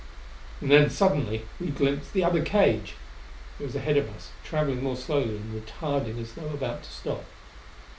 And then suddenly we glimpsed the other cage! It was ahead of us, traveling more slowly and retarding as though about to stop.